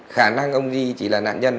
khả năng ông ghi chỉ là nạn nhân